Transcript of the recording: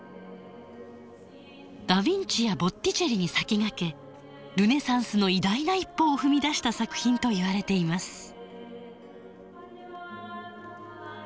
ダ・ヴィンチやボッティチェリに先駆けルネサンスの偉大な一歩を踏み出した作品といわれています。